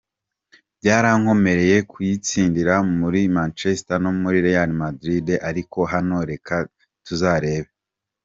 "Byarankomereye kuyitsindira muri Manchester no muri Real Madrid, ariko hano? Reka tuzarebe.